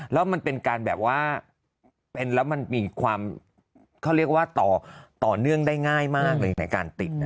แล้วมันเป็นการแบบว่าเป็นแล้วมันมีความเขาเรียกว่าต่อเนื่องได้ง่ายมากเลยในการติด